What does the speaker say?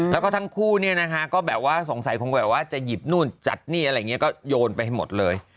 แล้วก็ทั้งคู่เนี่ยนะคะก็แบบว่าสงสัยคงแบบว่าจะหยิบนู่นจัดนี่อะไรอย่างนี้ก็โยนไปให้หมดเลย